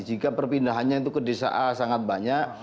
jika perpindahannya itu ke desa a sangat banyak